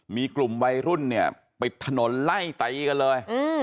มีกลุ่มวัยรุ่นเนี่ยปิดถนนไล่ตีกันเลย